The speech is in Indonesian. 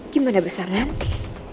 gimana besar nanti